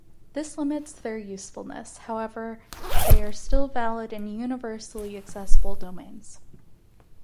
This limits their usefulness; however, they are still valid and universally accessible domains.